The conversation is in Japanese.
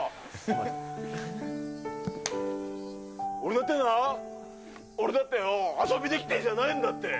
俺だってな、俺だってよ、遊びで来てるんじゃないんだって。